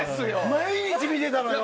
毎日見てたのよ。